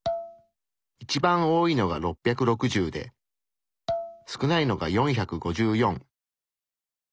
一番多いのが６６０で少ないのが４５４。